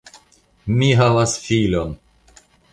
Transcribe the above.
Mi havas filon!